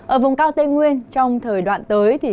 ở vùng cao tây nguyên trong thời đoạn tới